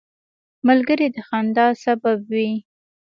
ملګری د خندا سبب وي